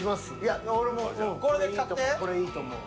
これいいと思う。